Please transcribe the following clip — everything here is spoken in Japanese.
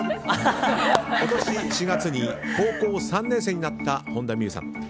今年４月に高校３年生になった本田望結さん。